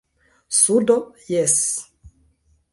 Sudo, jes.